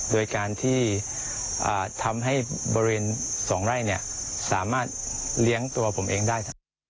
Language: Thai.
โดยการที่ทำให้บริเวณ๒ไร่สามารถเลี้ยงตัวผมเองได้